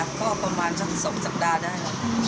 ก็ประมาณสัก๒สัปดาห์ได้